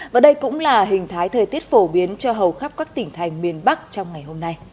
và đây cũng là hình thái thời tiết phổ biến cho hầu khắp các tỉnh thành miền bắc trong ngày hôm nay